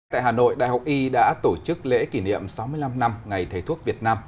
tại hà nội đại học y đã tổ chức lễ kỷ niệm sáu mươi năm năm ngày thầy thuốc việt nam